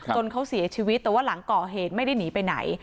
จนเขาเสียชีวิตแต่ว่าหลังก่อเหตุไม่ได้หนีไปไหน